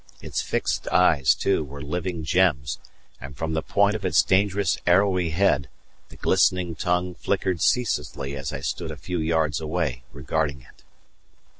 Its fixed eyes, too, were living gems, and from the point of its dangerous arrowy head the glistening tongue flickered ceaselessly as I stood a few yards away regarding it.